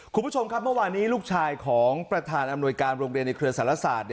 คุณผู้ชมครับเมื่อวานนี้ลูกชายของประธานอำนวยการโรงเรียนในเครือสารศาสตร์